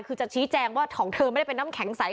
คือจะชี้แจงว่าของเธอไม่ได้เป็นน้ำแข็งใส